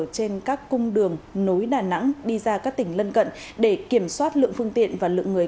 trên các cung đường nối đà nẵng đi ra các tỉnh lân cận để kiểm soát lượng phương tiện và lượng người